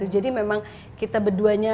jadi memang kita berduanya